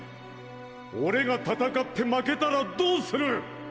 俺が戦って負けたらどうする！